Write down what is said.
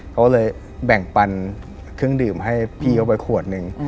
เขาเลยแบ่งปันเครื่องดื่มให้พี่เขาไปขวดหนึ่ง